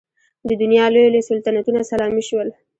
د دنیا لوی لوی سلطنتونه سلامي شول.